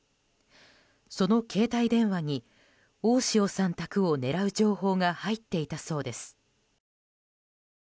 その携帯電話に大塩さん宅を狙う情報が入っていたそうです。